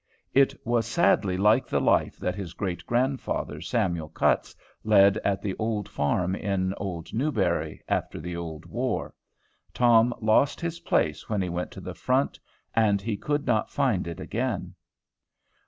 It was sadly like the life that his great grandfather, Samuel Cutts, led at the old farm in old Newbury after the old war. Tom lost his place when he went to the front, and he could not find it again.